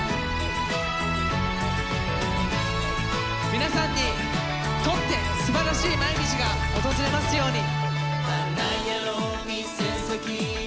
皆さんにとってすばらしい毎日が訪れますように。